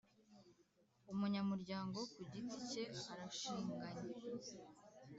Umunyamuryango Ku Giti Cye Arashinganye